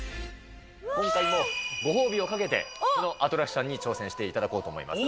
今回もご褒美をかけて、このアトラクションに挑戦していただこうと思います。